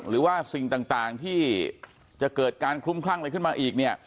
หรือว่าสิ่งต่างที่จะเกิดการคลุ้มคลั่งอะไรขึ้นมาอีกเนี่ย